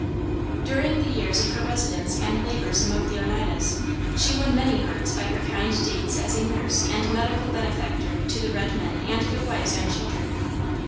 During the years of her residence and labors among the Oneidas, she won many hearts by her kind deeds as a nurse and medical benefactor to the red men and their wives and children.